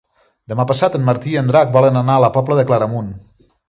Demà passat en Martí i en Drac volen anar a la Pobla de Claramunt.